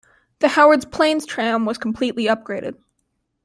The Howard's Plains tram was completely upgraded.